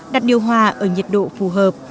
đặt điều hòa ở nhiệt độ phù hợp